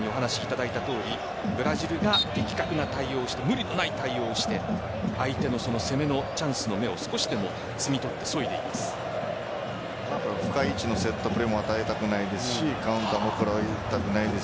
しかし、ブラジルが的確な対応をして無理のない対応をして相手の攻めのチャンスの芽を少しでも摘み取ってそいでいます。